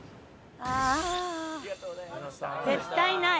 ああ絶対ない！